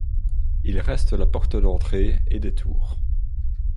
Il reste la porte d'entrée et des tours.